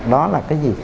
đó là cái gì